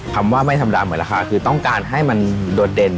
คำว่าไม่ธรรมดาเหมือนราคาคือต้องการให้มันโดดเด่น